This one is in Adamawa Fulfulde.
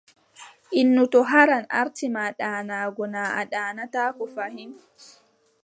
Innu to haran aarti ma ɗaanaago, naa a ɗaanataako fahin.